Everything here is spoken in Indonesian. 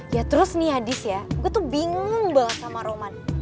ya terus nih hadis ya gue tuh bingung banget sama roman